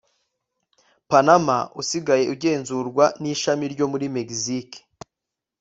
Panama usigaye ugenzurwa n ishami ryo muri Megizike